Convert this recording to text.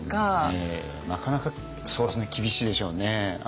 なかなかそうですね厳しいでしょうね。